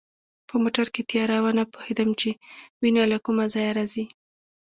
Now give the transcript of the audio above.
په موټر کې تیاره وه، نه پوهېدم چي وینه له کومه ځایه راځي.